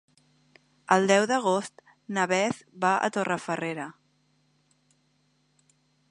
El deu d'agost na Beth va a Torrefarrera.